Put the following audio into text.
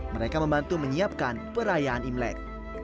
mereka membantu menyiapkan perayaan imlek